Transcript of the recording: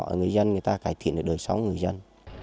và người dân người ta cải thiện để đổi sống người dân